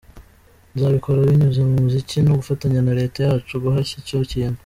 Nzabikora binyuze mu muziki no gufatanya na Leta yacu guhashya icyo kintu.